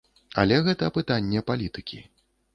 Але гэта пытанне палітыкі.